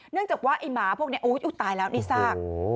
เนื่องจากว่าไอ้หมาพวกนี้ตายแล้วนี่ซาก